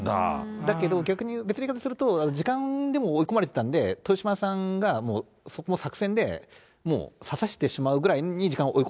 だけど、別の言い方をすると、時間でも追い込まれてたんで、豊島さんがそこも作戦で、もう指させてしまうくらいに時間を追い込